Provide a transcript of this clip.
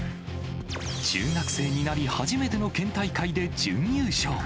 中学生になり初めての県大会で準優勝。